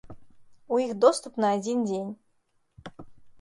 У іх доступ на адзін дзень.